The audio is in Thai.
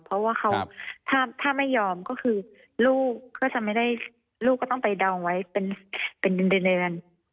เพราะว่าเขาถ้าไม่ยอมก็คือลูกก็จะไม่ได้ลูกก็ต้องไปเดาไว้เป็นเดือน